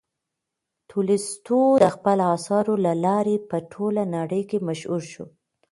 تولستوی د خپلو اثارو له لارې په ټوله نړۍ کې مشهور شو.